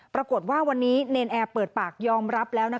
ปรากฏว่าวันนี้เนรนแอร์เปิดปากยอมรับแล้ว